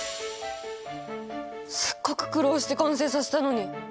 せっかく苦労して完成させたのに！